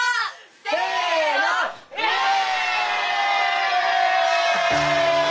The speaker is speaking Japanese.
せのイエイ！